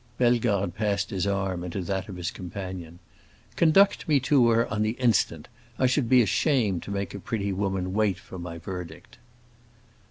Bellegarde passed his arm into that of his companion. "Conduct me to her on the instant! I should be ashamed to make a pretty woman wait for my verdict."